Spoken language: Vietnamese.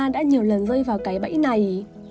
đã nhiều lần rơi vào cái bẫy này